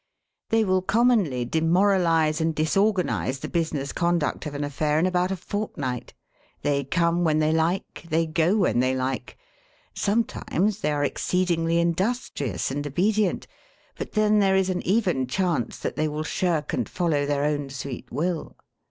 They will commonly demoralise and disorganise the business conduct of an affair in about a fortnight. They come when they like; they go when they like. Sometimes they are exceedingly industrious and obedient, but then there is an even chance that they will shirk and follow their own sweet will.